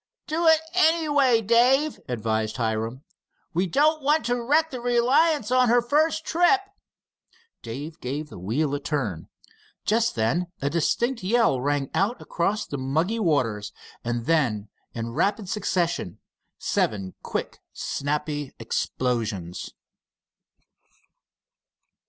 "Do it, anyway, Dave," advised Hiram. "We don't want to wreck the Reliance on her first trip." Dave gave the wheel a turn. Just then a distinct yell rang out across the muggy waters, and then, in rapid succession, seven quick, snappy explosions.